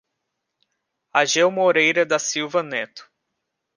Ageu Moreira da Silva Neto